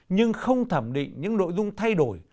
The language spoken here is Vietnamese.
nhưng không thẩm định những nội dung thay đổi